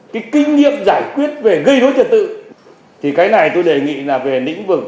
cái kinh nghiệm giải quyết về gây đốn trật tự thì cái này tôi đề nghị là về lĩnh vực